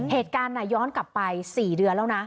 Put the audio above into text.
เหตุการณ์ย้อนกลับไป๔เดือนแล้วนะ